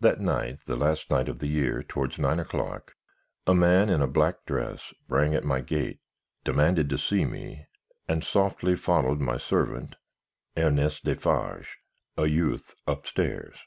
"That night, the last night of the year, towards nine o'clock, a man in a black dress rang at my gate, demanded to see me, and softly followed my servant, Ernest Defarge, a youth, up stairs.